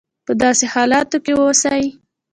په داسې حالاتو کې اوسي.